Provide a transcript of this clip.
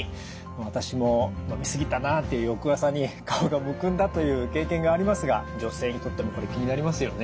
私も飲み過ぎたなあっていう翌朝に顔がむくんだという経験がありますが女性にとってもこれ気になりますよね。